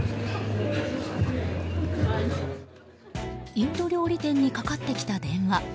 インド料理店にかかってきた電話。